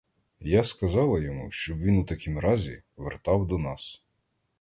Я сказала йому, щоб він у такім разі вертав до нас.